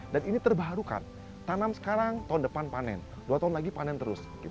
dan ini terbarukan tanam sekarang tahun depan panen dua tahun lagi panen terus